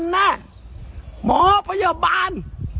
หมอพยาบาล